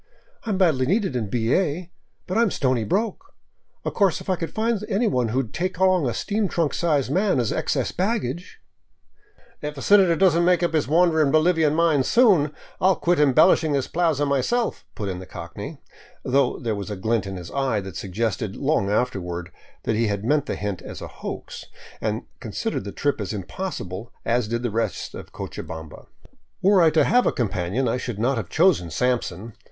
" I 'm badly needed in B. A. But I 'm stony broke. Of course if I could find anyone who would take along a steamer trunk size man as excess baggage —"" If the senator does n't make up his wandering Bolivian mind soon, I '11 quit embellishing this plaza myself," put in the cockney, though there was a glint in his eye that suggested, long afterward, that he had meant the hint as a hoax, and considered the trip as impossible as did the rest of Cochabamba. Were I to have a companion, I should not have chosen Sampson.